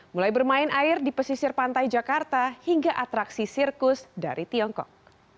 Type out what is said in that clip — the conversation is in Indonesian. mulai bermain air di pesisir pantai jakarta hingga atraksi sirkus dari tiongkok